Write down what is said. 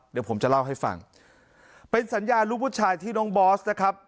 เดี๋ยวผมจะเล่าให้ฟังเป็นสัญญาลูกผู้ชายที่น้องบอสนะครับ